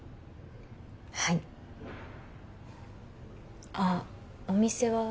はいあっお店は？